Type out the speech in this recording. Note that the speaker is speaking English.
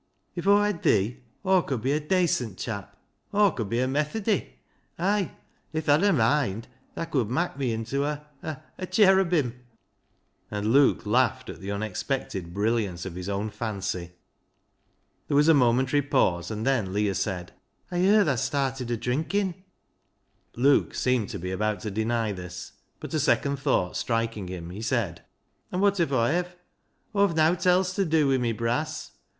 If Aw hed thee. Aw could be a dacent chap. Aw could be a Methody ; ay, if tha'd a moind thaa could mak' me into a, a — cherubim," and Luke laughed at the unexpected brilliance of his own fancy. There was a momentary pause, and then Leah said —" Aw yer tha's started o' drinkin'." Luke seemed to be about to deny this, but a second thought striking him, he said —" An' wot if Aw hev ? Aw've nowt else ta dew wi' my brass.